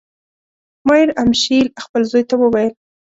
مایر امشیل خپل زوی ته وویل.